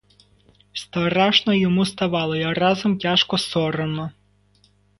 Страшно йому ставало й разом тяжко, соромно.